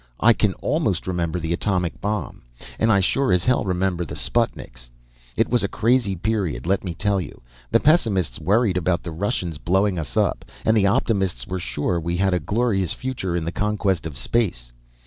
I can almost remember the atomic bomb, and I sure as hell remember the sputniks. It was a crazy period, let me tell you. The pessimists worried about the Russians blowing us up, and the optimists were sure we had a glorious future in the conquest of space.